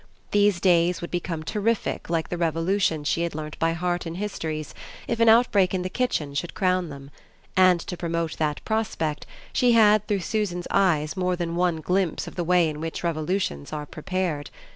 These days would become terrific like the Revolutions she had learnt by heart in Histories if an outbreak in the kitchen should crown them; and to promote that prospect she had through Susan's eyes more than one glimpse of the way in which Revolutions are prepared.